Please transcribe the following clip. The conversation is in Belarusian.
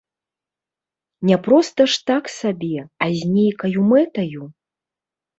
Не проста ж так сабе, а з нейкаю мэтаю?